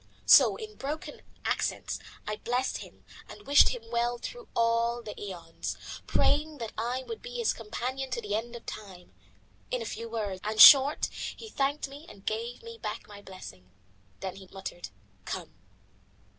So in broken accents I blessed him and wished him well through all the aeons, praying that I might be his companion to the end of time. In few words and short he thanked me and gave me back my blessing. Then he muttered "Come."